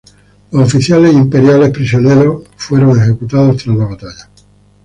Los oficiales imperiales prisioneros fueron ejecutados tras la batalla.